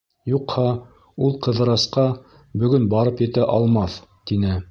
Юҡһа, ул Ҡыҙырасҡа бөгөн барып етә алмаҫ, -тине.